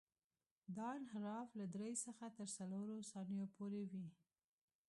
دا انحراف له درې څخه تر څلورو ثانیو پورې وي